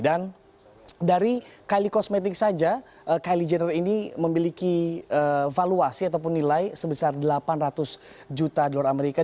dan dari kylie cosmetics saja kylie jenner ini memiliki valuasi ataupun nilai sebesar delapan ratus juta dolar amerika